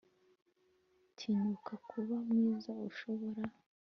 tinyuka kuba mwiza ushobora